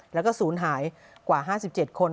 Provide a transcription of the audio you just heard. แล้วก็ศูนย์หายกว่า๕๗คน